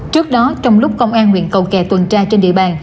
trước đó trong lúc công an nguyện cầu kè tuần tra trên địa bàn